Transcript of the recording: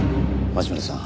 町村さん